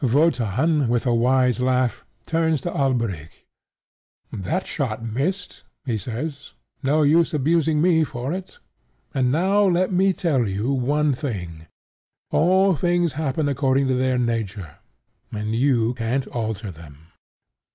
Wotan, with a wise laugh, turns to Alberic. "That shot missed," he says: "no use abusing me for it. And now let me tell you one thing. All things happen according to their nature; and you can't alter them."